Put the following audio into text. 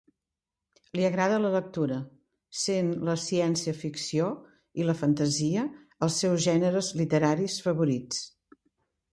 Li agrada la lectura, sent la ciència-ficció i la fantasia els seus gèneres literaris favorits.